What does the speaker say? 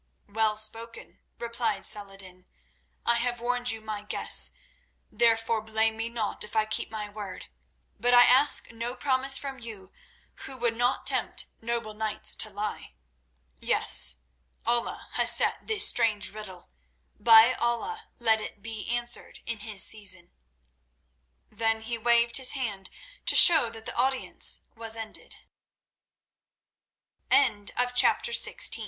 "Well spoken," replied Saladin. "I have warned you, my guests, therefore blame me not if I keep my word; but I ask no promise from you who would not tempt noble knights to lie. Yes, Allah has set this strange riddle; by Allah let it be answered in His season." Then he waved his hand to show that the audience was ended. Chapter XVII. The Breth